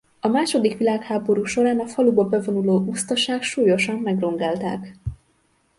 A második világháború során a faluba bevonuló usztasák súlyosan megrongálták.